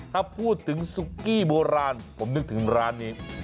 ถ้าพูดถึงซุกี้โบราณผมนึกถึงร้านนี้